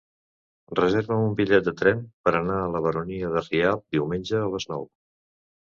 Reserva'm un bitllet de tren per anar a la Baronia de Rialb diumenge a les nou.